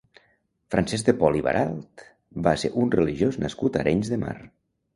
Francesc de Pol i Baralt va ser un religiós nascut a Arenys de Mar.